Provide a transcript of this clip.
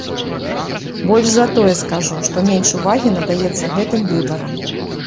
Больш за тое скажу, што менш увагі надаецца гэтым выбарам.